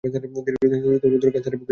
দীর্ঘ দিন ধরে ক্যান্সারে ভুগছিলেন।